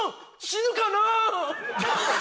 死ぬかな？